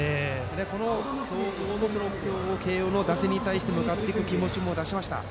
この強豪の慶応の打線に対して向かっていく気持ちも出しました。